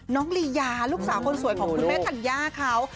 ลียาลูกสาวคนสวยของคุณแม่ธัญญาเขา